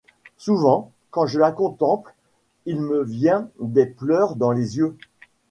Souvent, quand je la contemple, il me vient des pleurs dans les yeux.